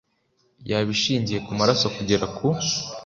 yaba ishingiye ku maraso kugera ku